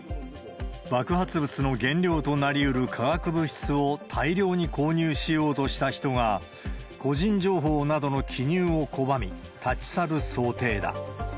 爆発物の原料となりうる化学物質を大量に購入しようとした人が、個人情報などの記入を拒み、立ち去る想定だ。